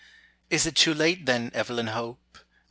Is it too late, then, Evelyn Hope?